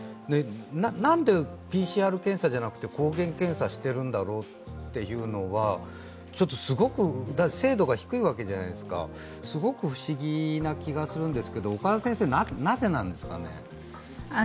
何でＰＣＲ検査じゃなくて抗原検査しているんだろうっていうのが精度が低いわけじゃないですかすごく不思議な気がしているんですが、岡田先生、なぜななんですかね。